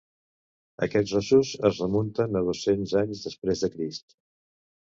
Aquests ossos es remunten a dos-cents anys després de Crist.